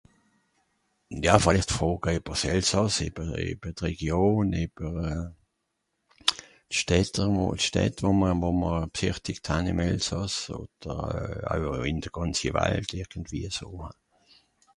Ja vìllicht Froga ìbber s'Elsàss ìbbe... ìbbe d'Region ìbber euh... Städte... Städt wo ma bsìchtigt han ìm Elsàss odder au ìn de gànzi Walt irgendwie aso hein.